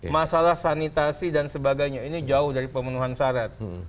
masalah sanitasi dan sebagainya ini jauh dari pemenuhan syarat